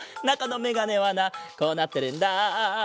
なかのメガネはなこうなってるんだ。